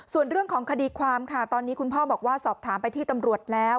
ส่วนเรื่องของคดีความค่ะตอนนี้คุณพ่อบอกว่าสอบถามไปที่ตำรวจแล้ว